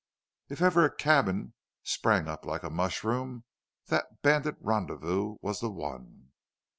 If ever a cabin sprang up like a mushroom, that bandit rendezvous was the one.